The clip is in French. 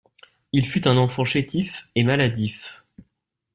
Il fut un enfant chétif et maladif.